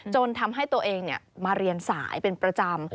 จนทำให้ตัวเองมาเรียนสายเป็นประจำ